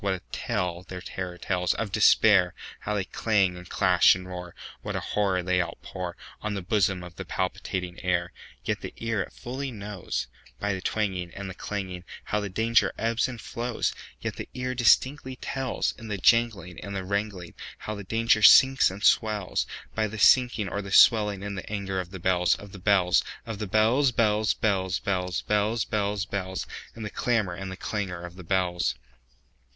What a tale their terror tellsOf Despair! How they clang, and clash, and roar! What a horror they outpourOn the bosom of the palpitating air! Yet the ear it fully knows, By the twangingAnd the clanging, How the danger ebbs and flows; Yet the ear distinctly tells, In the janglingAnd the wrangling, How the danger sinks and swells,—By the sinking or the swelling in the anger of the bells, Of the bells, Of the bells, bells, bells, bells, Bells, bells, bells—In the clamor and the clangor of the bells!